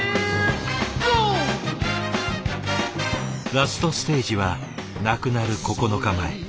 ラストステージは亡くなる９日前。